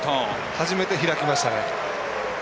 初めて開きましたね。